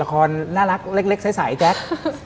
คอนน่ารักเล็กใสแจ๊ค